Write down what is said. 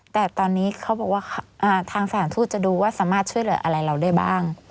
แต่ตอนนี้เขาบอกว่าทางสถานทูตจะดูว่าสามารถช่วยเหลืออะไรเราได้บ้าง